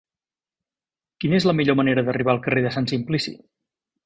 Quina és la millor manera d'arribar al carrer de Sant Simplici?